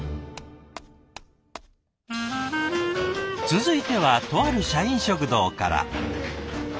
続いてはとある社員食堂から。